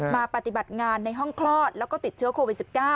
ปฏิบัติงานในห้องคลอดแล้วก็ติดเชื้อโควิด๑๙